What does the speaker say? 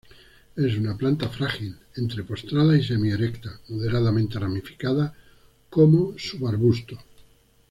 Es una planta frágil, entre postrada y semi-erecta, moderadamente ramificada como subarbusto.